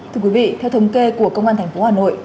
thưa quý vị theo thống kê của công an thành phố hà nội